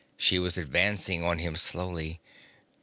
She was advancing on him slowly.